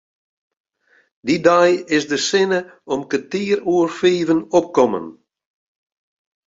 Dy dei is de sinne om kertier oer fiven opkommen.